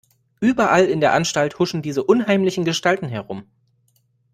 Überall in der Anstalt huschen diese unheimlichen Gestalten herum.